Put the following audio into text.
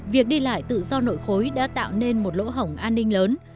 việc đi lại tự do nội khối đã tạo nên một lỗ hỏng an ninh lớn